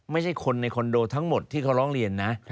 ไม่ใช่คนในคอนโดทั้งหมดที่เขาร้องเรียนนะ